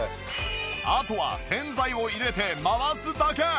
あとは洗剤を入れて回すだけ！